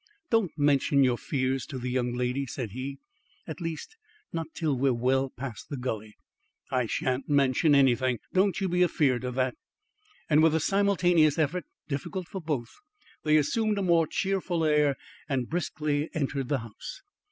"Don't mention your fears to the young lady," said he. "At least, not till we are well past the gully." "I shan't mention anything. Don't you be afeared of that." And with a simultaneous effort difficult for both, they assumed a more cheerful air, and briskly entered the house.